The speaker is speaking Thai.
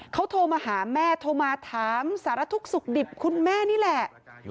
เขาโทรมาหาแม่โทรมาถามสารทุกข์สุขดิบคุณแม่นี่แหละ